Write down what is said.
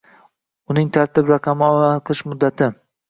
uning tartib raqami va amal qilish muddati;